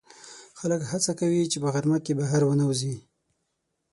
خلک هڅه کوي چې په غرمه کې بهر ونه وځي